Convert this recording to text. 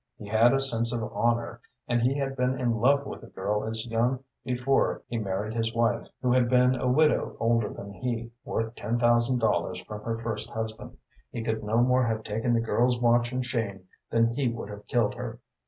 He had a sense of honor, and he had been in love with a girl as young before he married his wife, who had been a widow older than he, worth ten thousand dollars from her first husband. He could no more have taken the girl's watch and chain than he would have killed her.